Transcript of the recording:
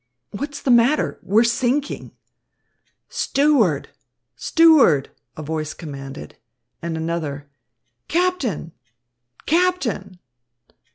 "What's the matter! What's the matter! We're sinking!" "Steward! Steward!" a voice commanded; and another, "Captain! Captain!"